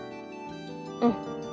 うん。